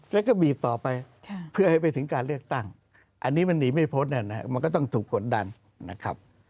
แล้วก็บีบต่อไปเพื่อให้ไปถึงการเลือกตั้งอันนี้มันหนีไม่พ้นมันก็ต้องถูกกดดันนะครับ